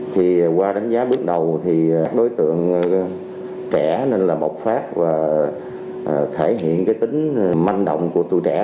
thì qua đánh giá bước đầu thì đối tượng trẻ nên là bộc phát và thể hiện cái tính manh động của tuổi trẻ